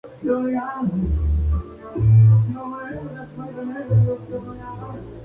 La actriz Susan Tully fue una de sus damas de honor.